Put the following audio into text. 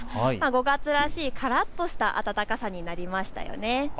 ５月らしい、からっとした暖かさになりましたよね。